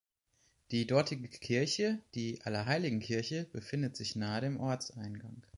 Die dortige Kirche, die Allerheiligenkirche, befindet sich nahe dem Ortseingang.